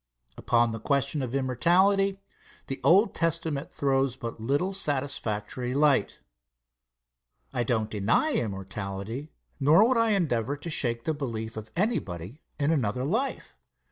Upon the question of immortality, the Old Testament throws but little satisfactory light. I do not deny immortality, nor would I endeavor to shake the belief of anybody in another life.